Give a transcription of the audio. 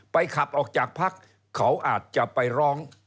ขับออกจากพักเขาอาจจะไปร้อง